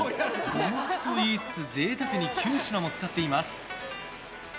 五目といいつつ贅沢に９品も使っています。